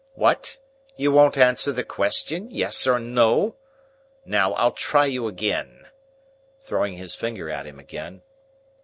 "What? You won't answer the question, yes or no? Now, I'll try you again." Throwing his finger at him again.